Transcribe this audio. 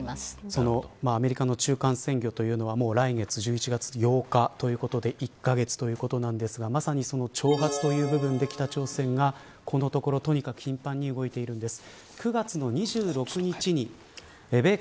そのアメリカの中間選挙というのはもう来月１１月８日ということで１カ月後なんですがまさにその挑発という部分で北朝鮮がこのところとにかく頻繁に動いています。